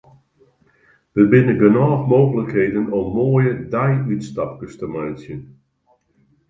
Der binne genôch mooglikheden om moaie deiútstapkes te meitsjen.